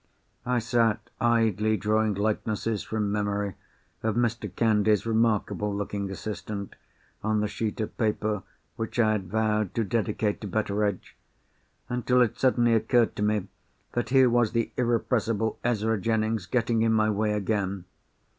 I sat idly drawing likenesses from memory of Mr. Candy's remarkable looking assistant, on the sheet of paper which I had vowed to dedicate to Betteredge—until it suddenly occurred to me that here was the irrepressible Ezra Jennings getting in my way again!